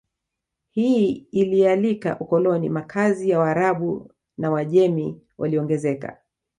Hii ilialika ukoloni Makazi ya Waarabu na Waajemi yaliongezeka